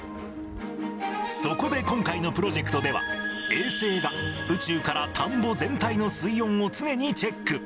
そこで今回のプロジェクトでは、衛星が宇宙から田んぼ全体の水温を常にチェック。